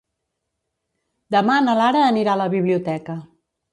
Demà na Lara anirà a la biblioteca.